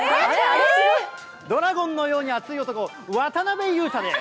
ドラゴンのように熱い男、渡辺裕太です。